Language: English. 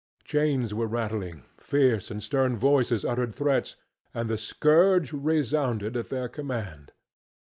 Chains were rattling, fierce and stern voices uttered threats and the scourge resounded at their command.